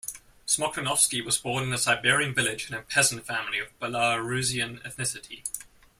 Smoktunovsky was born in a Siberian village in a peasant family of Belarusian ethnicity.